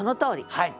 はい！